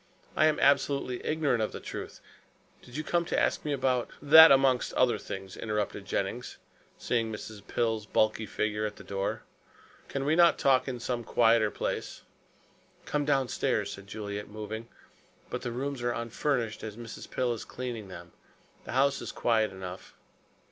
I am absolutely ignorant of the truth. Did you come to ask me about " "That amongst other things," interrupted Jennings, seeing Mrs. Pill's bulky figure at the door. "Can we not talk in some quieter place?" "Come downstairs," said Juliet, moving, "but the rooms are unfurnished as Mrs. Pill is cleaning them. The house is quiet enough."